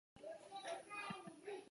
站前设单渡线。